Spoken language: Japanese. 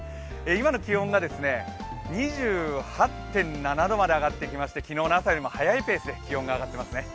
今の気温が２８．７度まで上がってきまして、昨日の朝よりも早いペースで気温が上がっていますね。